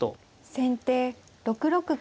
先手６六金。